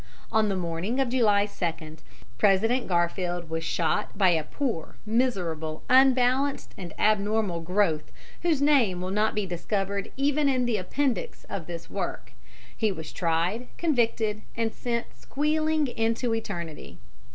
On the morning of July 2, President Garfield was shot by a poor, miserable, unbalanced, and abnormal growth whose name will not be discovered even in the appendix of this work. He was tried, convicted, and sent squealing into eternity.